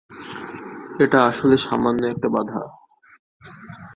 এটা আসলে সামান্য একটা বাধা।